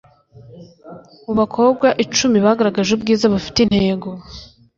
mu bakobwa icumi bagaragaje ubwiza bufite intego